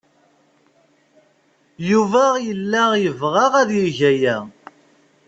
Yuba yella yebɣa ad yeg aya.